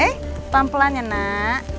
eh pelan pelan ya nak